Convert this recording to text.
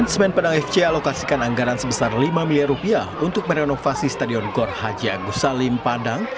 semen padang fc anggarkan lima miliar rupiah untuk renovasi stadion gor haji agus salim padat